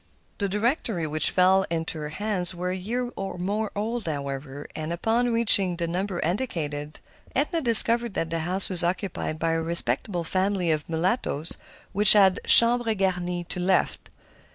The directory which fell into her hands was a year or more old, however, and upon reaching the number indicated, Edna discovered that the house was occupied by a respectable family of mulattoes who had chambres garnies to let.